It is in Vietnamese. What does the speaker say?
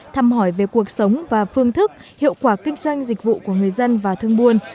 thăm hỏi về cuộc sống và phương thức hiệu quả kinh doanh dịch vụ của người dân và thương buôn